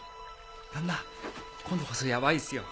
だんな今度こそヤバいですよ